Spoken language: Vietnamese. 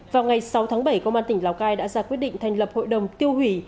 vào ngày sáu tháng bảy công an tỉnh lào cai đã ra quyết định thành lập hội đồng tiêu hủy